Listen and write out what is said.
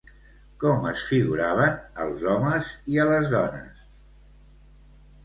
Com es figuraven als homes i a les dones?